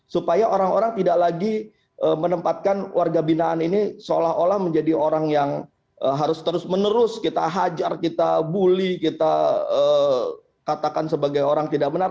supaya orang orang tidak lagi menempatkan warga binaan ini seolah olah menjadi orang yang harus terus menerus kita hajar kita bully kita katakan sebagai orang tidak benar